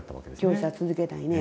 教師は続けたいね。